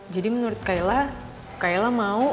jadi menurut kayla kayla mau